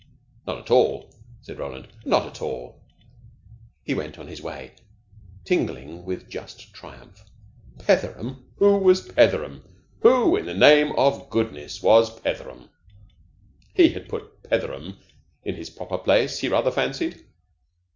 "Not at all," said Roland. "Not at all." He went on his way, tingling with just triumph. Petheram? Who was Petheram? Who, in the name of goodness, was Petheram? He had put Petheram in his proper place, he rather fancied.